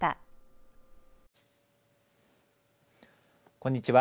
こんにちは。